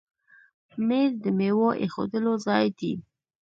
مېز د میوو ایښودلو ځای دی.